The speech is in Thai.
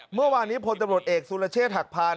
เมื่อวานนี้พลตำรวจเอกสุรเชษฐหักพาน